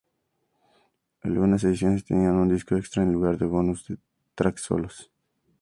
Algunas ediciones tenían un disco extra en lugar de bonus tracks solo.